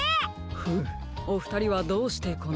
フムおふたりはどうしてこのレースに？